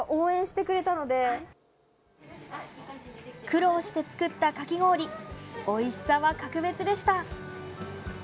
苦労して作ったかき氷おいしさは格別でした。